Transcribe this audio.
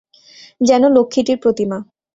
যেন লক্ষ্মীটির প্রতিমা!